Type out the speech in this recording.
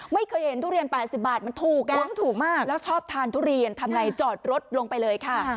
ไม่เคยเห็นทุเรียน๘๐บาทมันถูกอ่ะคุ้มถูกมากแล้วชอบทานทุเรียนทำไงจอดรถลงไปเลยค่ะ